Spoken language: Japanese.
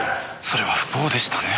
それは不幸でしたね。